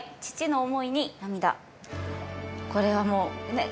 これはもうねっ。